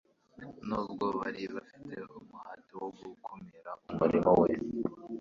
Nubwo bari bafite umuhati wo gukumira umurimo We,